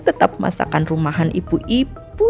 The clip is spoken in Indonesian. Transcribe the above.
tetap masakan rumahan ibu ibu